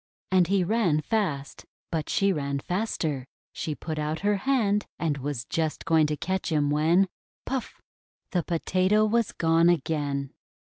And he ran fast; but she ran faster. She put out her hand, and was just going to catch him, when — puff! the Potato was gone again.